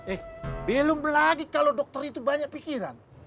eh belum lagi kalau dokter itu banyak pikiran